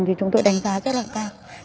thì chúng tôi đánh giá rất là cao